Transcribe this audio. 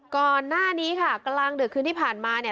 ก่อนหน้านี้ค่ะกำลังนี่ผ่านมาน่ะ